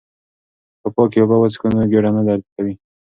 که پاکې اوبه وڅښو نو ګېډه نه درد کوي.